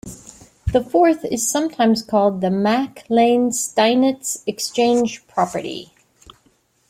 The fourth is sometimes called the Mac Lane-Steinitz exchange property.